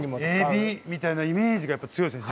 エビみたいなイメージがやっぱ強いですね